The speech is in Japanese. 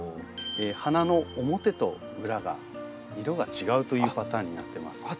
花の表と裏が色が違うというパターンになってます。